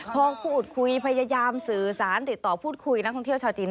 พอพูดคุยพยายามสื่อสารติดต่อพูดคุยนักท่องเที่ยวชาวจีน